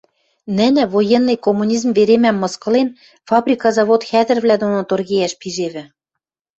Нӹнӹ, военный коммунизм веремӓм мыскылен, фабрика-завод хӓдӹрвлӓ доно торгейӓш пижевӹ.